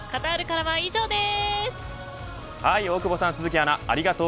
カタールからは以上です。